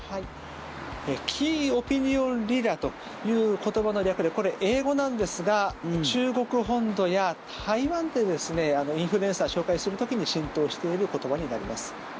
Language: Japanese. ＫｅｙＯｐｉｎｉｏｎＬｅａｄｅｒという言葉の略でこれ、英語なんですが中国本土や台湾でインフルエンサーを紹介する時に浸透している言葉になります。